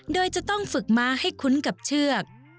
โดยจะต้องฝึกม้าให้คุ้นกับเชือก